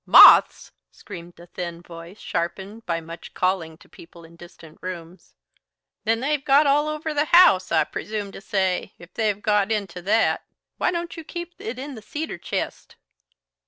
"Moths!" screamed the thin voice, sharpened by much calling to people in distant rooms. "Then they've got all over the house, I presume to say, if they've got into that. Why don't you keep it in the cedar chist?"